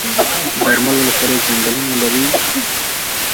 برمل ولسوالۍ ځنګلونه لري؟